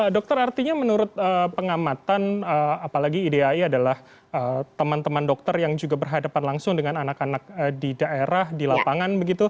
dokter artinya menurut pengamatan apalagi idai adalah teman teman dokter yang juga berhadapan langsung dengan anak anak di daerah di lapangan